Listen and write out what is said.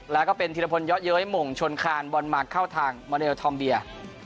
แล้วก็เป็นธีรพลเยอะเย้ยหม่งชนคานบอลมาเข้าทางมอเนลทอมเบีย